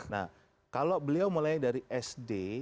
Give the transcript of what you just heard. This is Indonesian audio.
nah kalau beliau mulai dari sd